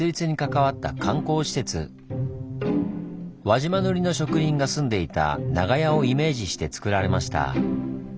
輪島塗の職人が住んでいた長屋をイメージしてつくられました。